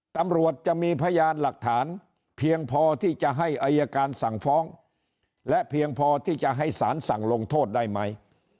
ตำรวจจะมีพยานหลักฐานเพียงพอที่จะให้อายการสั่งฟ้องและเพียงพอที่จะให้สารสั่งลงโทษได้ไหม